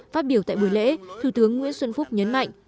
phát biểu tại buổi lễ thủ tướng nguyễn xuân phúc nhấn mạnh